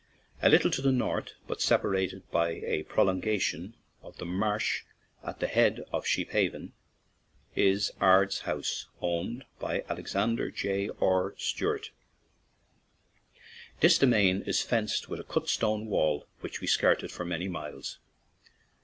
A little to the north, but separated by a prolongation of the marsh at the head of Sheephaven, is Ards House, owned by Alexander J. R. Stewart. This demesne is fenced with a cut stone wall which we skirted for many miles.